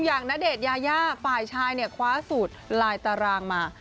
อย่างนเดชยายาฝ่ายชายคว้าสูตรลายตารางมา